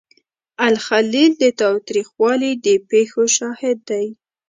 الخلیل د تاوتریخوالي د پیښو شاهد دی.